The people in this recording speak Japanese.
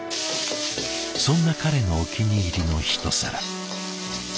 そんな彼のお気に入りのひと皿。